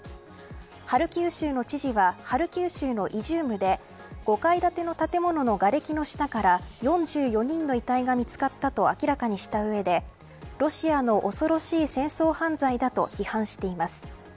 ハルキウ州の知事はハルキウ州のイジュームで５階建ての建物のがれきの下から４４人の遺体が見つかったと明らかにした上でロシアの恐ろしい戦争犯罪だと批判しています。